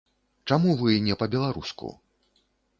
Чаму вы не па-беларуску?